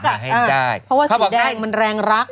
เพราะว่าสีแดงมันแรงรัก